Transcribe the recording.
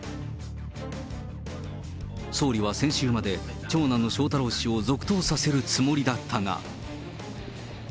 総理は先週まで、長男の翔太郎氏を続投させるつもりだったが。